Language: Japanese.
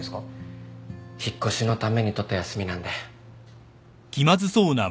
引っ越しのために取った休みなんで。